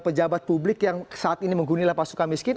pejabat publik yang saat ini menghuni lapas suka miskin